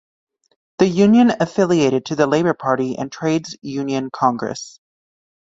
The union affiliated to the Labour Party and the Trades Union Congress.